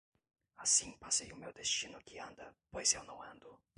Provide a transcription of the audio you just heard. Assim passei o meu destino que anda, pois eu não ando;